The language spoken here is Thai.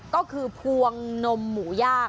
ก็คือพวงนมหมูย่าง